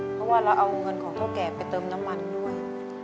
เพราะว่าเราเอาเงินของเท่าแก่ไปเติมน้ำมันด้วย